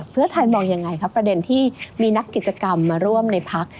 เพื่อไทยมองยังไงครับประเด็นที่มีนักกิจกรรมมาร่วมในพัก